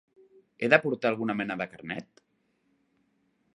He de portar alguna mena de carnet?